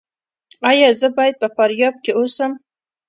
ایا زه باید په فاریاب کې اوسم؟